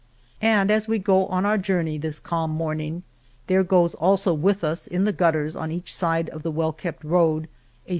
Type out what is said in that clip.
And as we go on our journey this calm morning, there goes also with us in the gutters on each side of the well kept road a ^ ^tC^^^ >S^^^2fe>^ 7Pb^